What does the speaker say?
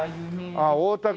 ああ大田区ね